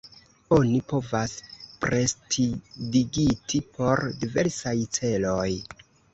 Oni povas prestidigiti por diversaj celoj.